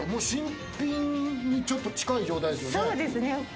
新品にちょっと近い状態ですよ。